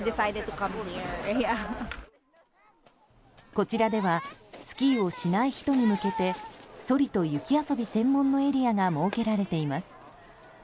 こちらではスキーをしない人に向けてそりと雪遊び専門のエリアが設けられています。